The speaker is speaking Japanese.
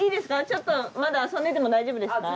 ちょっとまだ遊んでても大丈夫ですか？